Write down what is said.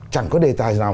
chẳng có đề tài nào